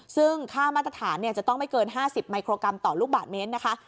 ซึ่งค่ามาตรฐานจะต้องไม่เกิน๕๐มิโครกรัมต่อลูกบาทเมตรนะคะ